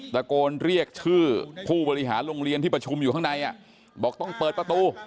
ตะโกนเรียกชื่อผู้บริหารโรงเรียนที่ประชุมอยู่ข้างในบอกต้องเปิดประตู